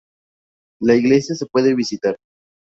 La iglesia se puede visitar.